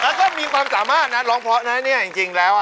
แล้วก็มีความสามารถนะร้องเพราะนะเนี่ยจริงแล้วอ่ะ